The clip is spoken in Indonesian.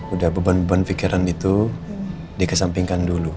udah beban beban pikiran itu dikesampingkan dulu